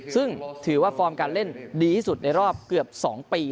ซึ่งถือว่าฟอร์มการเล่นดีที่สุดในรอบเกือบ๒ปี